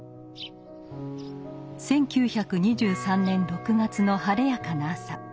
１９２３年６月の晴れやかな朝。